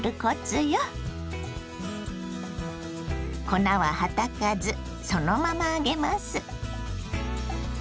粉ははたかずそのまま揚げます。